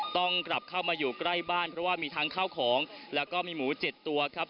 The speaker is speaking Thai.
ต้องกลับเข้ามาอยู่ใกล้บ้านเพราะว่ามีทางเข้าของแล้วก็มีหมู๗ตัวครับ